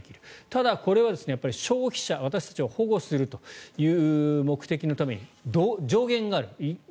ただ、これは消費者、私たちを保護するという目的のために上限がある。